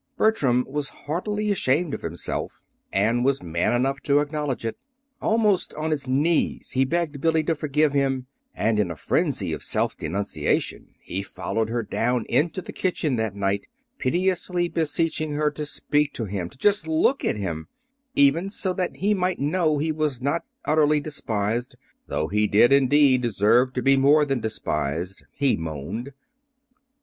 Bertram was heartily ashamed of himself, and was man enough to acknowledge it. Almost on his knees he begged Billy to forgive him; and in a frenzy of self denunciation he followed her down into the kitchen that night, piteously beseeching her to speak to him, to just look at him, even, so that he might know he was not utterly despised though he did, indeed, deserve to be more than despised, he moaned.